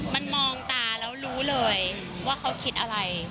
มันมองตาแล้วรู้เลยว่าเขาคิดอะไร